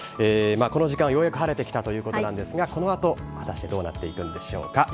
この時間ようやく晴れてきたということなんですが、このあと果たしてどうなっていくんでしょうか。